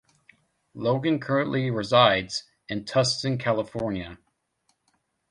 Logan currently resides in Tustin, California.